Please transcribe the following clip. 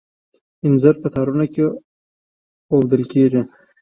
انځر په تارونو کې اوډل کیږي.